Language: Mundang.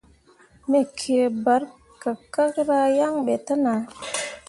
Me kǝǝ barkakkera yan ɓe te nah.